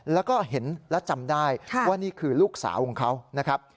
แล้วก็เห็นและจำได้ว่านี่คือลูกสาวของเขานะครับ